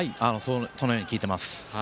そのように聞いています。